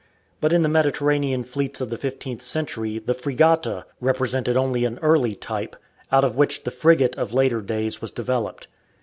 But in the Mediterranean fleets of the fifteenth century the frigata represented only an early type, out of which the frigate of later days was developed.